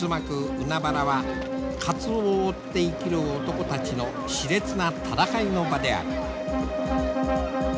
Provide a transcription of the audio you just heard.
海原はカツオを追って生きる男たちのしれつな戦いの場である。